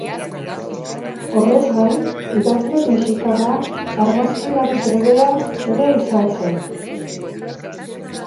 Horrez gain, idazle mexikarra argazkilari trebea ere izan zen.